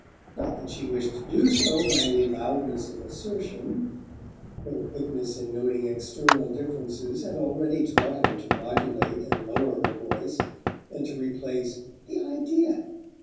Not that she wished to do so by any loudness of assertion. Her quickness in noting external differences had already taught her to modulate and lower her voice, and to replace "The I dea!"